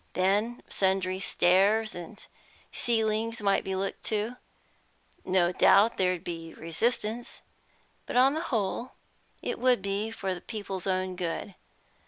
Then sundry stairs and ceilings might be looked to. No doubt there'd be resistance, but on the whole it would be for the people's own good.